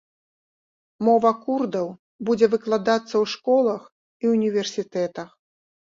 Мова курдаў будзе выкладацца ў школах і універсітэтах.